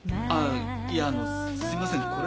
ああいやあのすいません